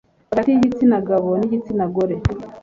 hagati y'igitsina gabo n'igitsina gore